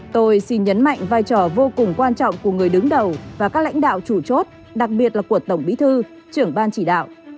tôi xin nhấn mạnh vai trò vô cùng quan trọng của người đứng đầu và các lãnh đạo chủ chốt đặc biệt là của tổng bí thư trưởng ban chỉ đạo